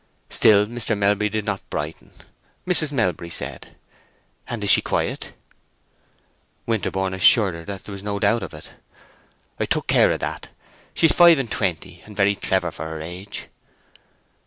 Still Mr. Melbury did not brighten. Mrs. Melbury said, "And is she quiet?" Winterborne assured her that there was no doubt of it. "I took care of that. She's five and twenty, and very clever for her age."